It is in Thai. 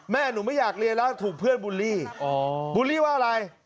แม่หนูไม่อยากเรียนแล้วถูกเพื่อนบูลลี่บูลลี่ว่าอะไร